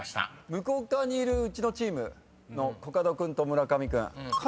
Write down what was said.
向こう側にいるうちのチームのコカド君と村上君。